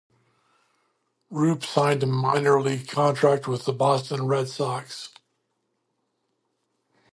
Rupe signed a minor league contract with the Boston Red Sox.